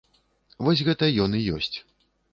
Вось, гэта ён і ёсць.